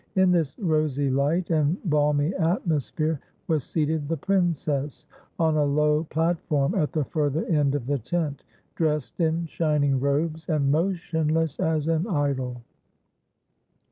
In this rosy light and balmy atmosphere was seated the princess, on a low platform at the further end of the tent, dressed in shining robes and motionless as an idol.